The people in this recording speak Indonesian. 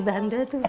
jadi gak kelihatan